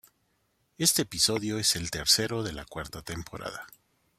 Este episodio es el tercero de la cuarta temporada.